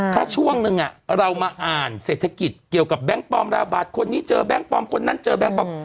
ถ้าช่วงนึงเรามาอ่านเศรษฐกิจเกี่ยวกับแบงค์ปลอมระบาดคนนี้เจอแบงค์ปลอมคนนั้นเจอแบงค์ปลอม